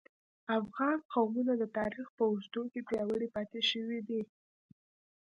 افغان قومونه د تاریخ په اوږدو کې پیاوړي پاتې شوي دي